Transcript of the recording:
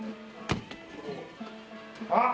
あっ！